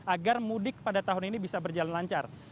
agar mudik pada tahun ini bisa berjalan lancar